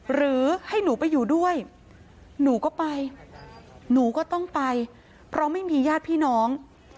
หรือให้หนูไปอยู่ด้วยหนูก็ไปหนูก็ต้องไปเพราะไม่มีญาติพี่น้อง